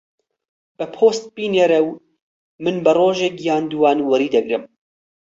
بە پۆست بینێرە و من بە ڕۆژێک یان دووان وەری دەگرم.